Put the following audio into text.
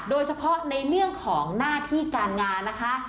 โดยเฉพาะในเรื่องของหน้าที่การงานนะคะ